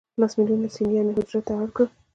لس ملیونه سنیان یې هجرت ته اړ کړل.